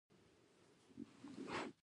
په هغه ارزښتونو دوی ایمان درلود.